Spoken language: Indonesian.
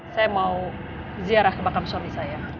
saya mau ziarah kebakar suami saya